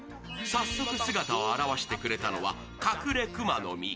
早速、姿を現してくれたのはカクレクマノミ。